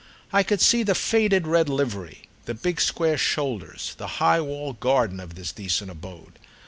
I could see the faded red livery, the big square shoulders, the high walled garden of this decent abode.